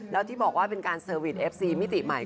แล้วที่บอกว่าเป็นการเซอร์วิสเอฟซีมิติใหม่